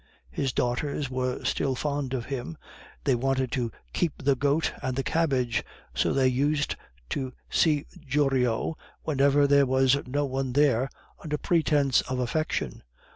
His daughters were still fond of him; they wanted 'to keep the goat and the cabbage,' so they used to see Joriot whenever there was no one there, under pretence of affection.